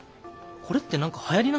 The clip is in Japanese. これって何かはやりなんすかね？